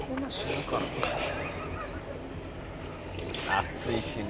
「熱いしね」